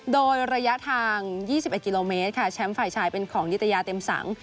โดยระยะทาง๒๑กิโลเมตรค่ะแชมป์ฝ่ายชายเป็นของนิตยาเต็มสัง